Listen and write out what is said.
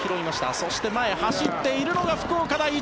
そして前に走っているのが福岡第一。